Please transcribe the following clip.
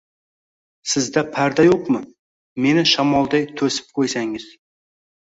Sizda parda yo‘qmi, meni shamoldan to‘sib qo‘ysangiz?